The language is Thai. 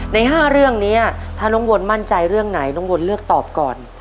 ใน๕เรื่องนี้ถ้าน้องวนมั่นใจเรื่องไหนน้องวนเลือกตอบก่อน